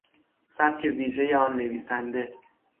سبک ویژهی آن نویسنده